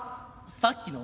「さっきの？